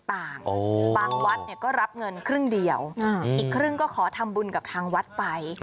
บางวัดก็รับเงินครึ่งเดียวอีกครึ่งก็ขอทำบุญกับทางวัดไป